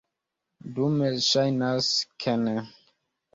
Dume ŝajnas, ke ne.